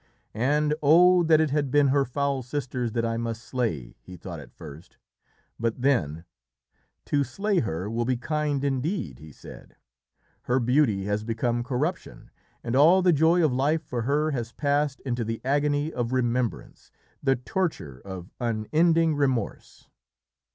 And "Oh that it had been her foul sisters that I must slay!" he thought at first, but then "To slay her will be kind indeed," he said. "Her beauty has become corruption, and all the joy of life for her has passed into the agony of remembrance, the torture of unending remorse."